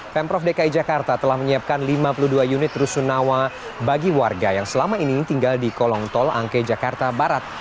pemprov dki jakarta telah menyiapkan lima puluh dua unit rusunawa bagi warga yang selama ini tinggal di kolong tol angke jakarta barat